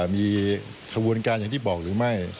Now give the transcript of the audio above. มีขบวนการอย่างที่บอกหรือไม่